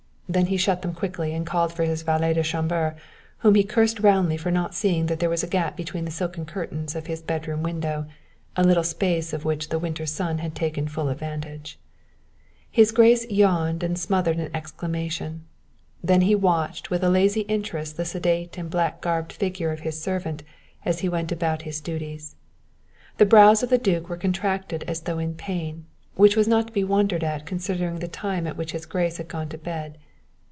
Then he shut them quickly and called for his valet de chambre, whom he cursed roundly for not seeing that there was a gap between the silken curtains of his bedroom window, a little space of which the winter sun had taken full advantage. His grace yawned and smothered an exclamation. Then he watched with a lazy interest the sedate and black garbed figure of his servant as he went about his duties. The brows of the duke were contracted as though in pain, which was not to be wondered at considering the time at which his grace had gone to bed.